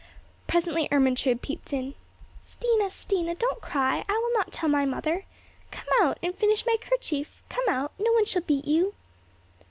Presently Ermentrude peeped in. "Stina, Stina, don't cry; I will not tell my mother! Come out, and finish my kerchief! Come out! No one shall beat you."